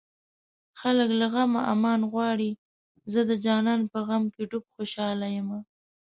خلک له غمه امان غواړي زه د جانان په غم کې ډوب خوشاله يمه